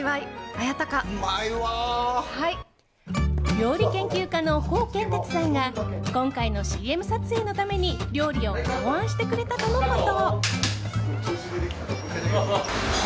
料理研究家のコウケンテツさんが今回のＣＭ撮影のために料理を考案してくれたとのこと。